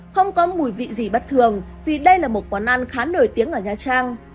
không có mùi vị gì bất thường vì đây là một quán ăn khá nổi tiếng ở nha trang